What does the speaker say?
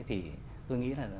thì tôi nghĩ là